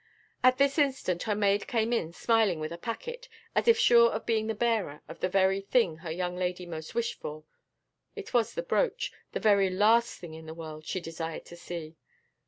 At this instant her maid came in smiling with a packet, as if sure of being the bearer of the very thing her young lady most wished for; it was the brooch the very last thing in the world she desired to see.